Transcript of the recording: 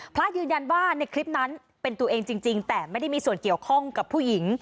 พระยืนยันว่าในคลิปนั้นเป็นตัวเองจริงแต่ไม่ได้มีส่วนเกี่ยวข้องกับผู้หญิง